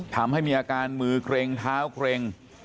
ทำให้มีอาการมือเกร็งเท้าเกร็ง